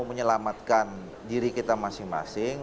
menyelamatkan diri kita masing masing